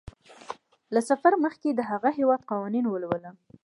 له سفر مخکې د هغه هیواد قوانین ولوله.